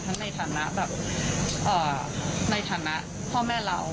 ในฐานะแบบในฐานะพ่อแม่เรา